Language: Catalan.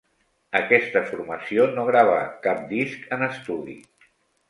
Aquesta formació no gravà cap disc en estudi.